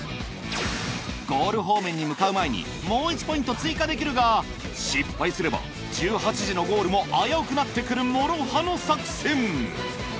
ゴール方面に向かう前にもう１ポイント追加できるが失敗すれば１８時のゴールも危うくなってくるもろ刃の作戦。